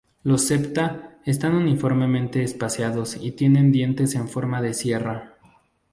Los septa están uniformemente espaciados y tienen dientes en forma de sierra.